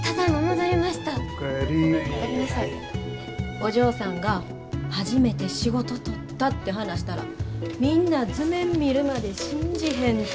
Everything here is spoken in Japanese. お嬢さんが初めて仕事取ったって話したらみんな図面見るまで信じへんて！